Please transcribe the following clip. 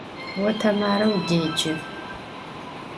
Vo Temare vudêce.